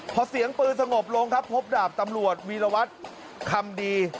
พอเสียงปืนสงบลงครับพบดาบตำรวจวีรวัตรคำดี